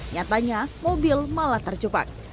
nyatanya mobil malah terjebak